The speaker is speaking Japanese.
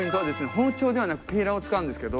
包丁ではなくピーラーを使うんですけど。